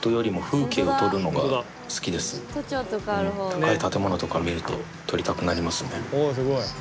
高い建物とか見ると撮りたくなりますね。